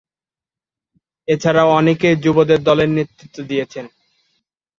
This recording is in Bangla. এছাড়াও অনেকেই যুবদের দলে নেতৃত্ব দিয়েছেন।